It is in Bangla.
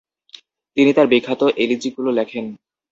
তিনি তার বিখ্যাত এলিজিগুলো লেখেন।